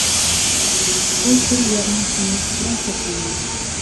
بۇ كۆل يەرنىڭ كېڭىيىشى بىلەن شەكىللەنگەن.